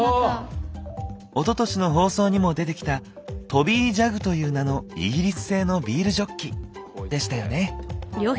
おととしの放送にも出てきたトビージャグという名のイギリス製のビールジョッキでしたよね？